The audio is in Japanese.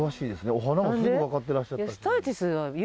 お花もすぐ分かってらっしゃったし。